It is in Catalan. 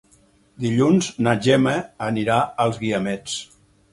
Dilluns na Gemma anirà als Guiamets.